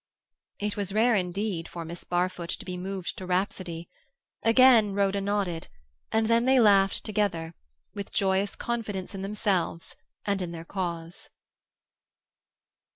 It was rare indeed for Miss Barfoot to be moved to rhapsody. Again Rhoda nodded, and then they laughed together, with joyous confidence in themselves and in their cause.